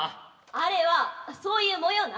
あれはそういう模様なん。